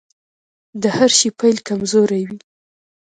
د هر شي پيل کمزوری وي .